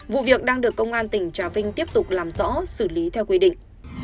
vụ việc đang được công an tỉnh trà vinh tiếp tục làm rõ xử lý theo quy định